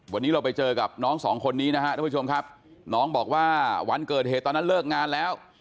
วันนี้เราไปเจอกับน้องสองคนนี้นะครับทุกผู้ชมครับน้องบอกว่าวันเกิดเหตุตอนนั้นเลิกงานแล้ว